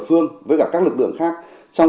phương với cả các lực lượng khác trong